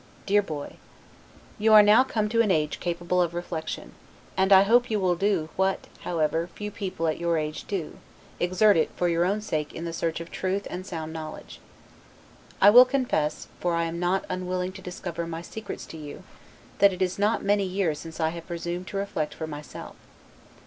DEAR BOY: You are now come to an age capable of reflection, and I hope you will do, what, however, few people at your age do, exert it for your own sake in the search of truth and sound knowledge. I will confess (for I am not unwilling to discover my secrets to you) that it is not many years since I have presumed to reflect for myself.